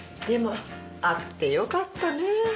でもあってよかったね。